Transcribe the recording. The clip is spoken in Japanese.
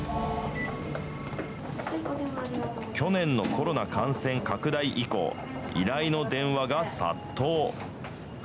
去年のコロナ感染拡大以降、依頼の電話が殺到。